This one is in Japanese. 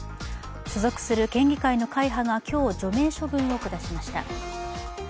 所属する県議会の会派が今日、除名処分を下しました。